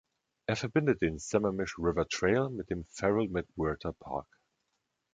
Er verbindet den Sammamish River Trail mit dem Farrel-McWhirter Park.